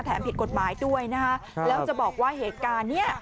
ผิดกฎหมายด้วยนะคะแล้วจะบอกว่าเหตุการณ์เนี้ย